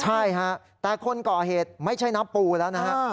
ใช่ฮะแต่คนก่อเหตุไม่ใช่นับปูแล้วนะฮะ